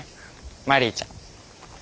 マリーちゃん。